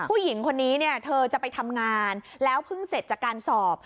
ผู้หญิงคนนี้เนี่ยเธอจะไปทำงานแล้วเพิ่งเสร็จจากการสอบ